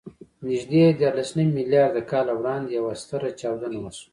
نږدې دیارلسنیم میلیارده کاله وړاندې یوه ستره چاودنه وشوه.